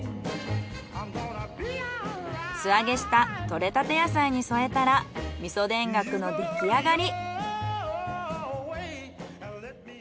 素揚げした採れたて野菜に添えたら味噌田楽の出来上がり。